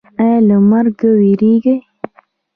ایا له مرګ ویریږئ؟